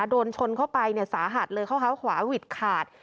โดนชนเข้าไปสาหัสเลยข้อเท้าขวาหวิดขาด